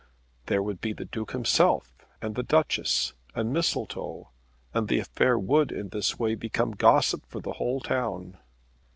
There would be the Duke himself, and the Duchess, and Mistletoe. And the affair would in this way become gossip for the whole town.